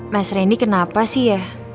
mas rendy kenapa sih ya